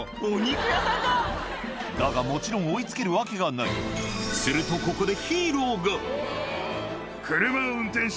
だがもちろん追い付けるわけがないするとこれは。